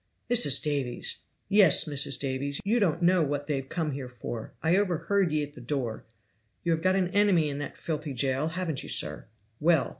"Mrs. Davies!" "Yes, Mrs. Davies; you don't know what they've come here for I overheard ye at the door! You have got an enemy in that filthy jail, haven't you, sir? Well!